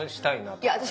いや私